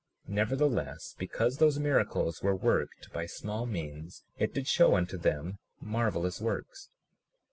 37:41 Nevertheless, because those miracles were worked by small means it did show unto them marvelous works.